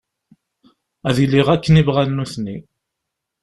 Ad iliɣ akken i bɣan nutni.